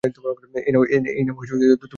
এই নাও তোমার ড্রিংক, জ্যাজ।